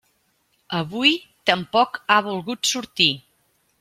Avui tampoc ha volgut sortir.